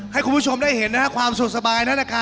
ให้คุณผู้ชมได้เห็นนะครับความสุขสบายนะค่ะ